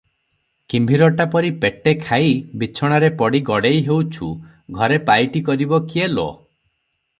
କିମ୍ଭୀରଟା ପରି ପେଟେ ଖାଇ ବିଛଣାରେ ପଡ଼ି ଗଡ଼େଇ ହେଉଛୁ, ଘରେ ପାଇଟି କରିବ କିଏ ଲୋ?